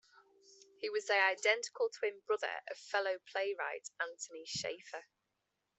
He was the identical twin brother of fellow playwright Anthony Shaffer.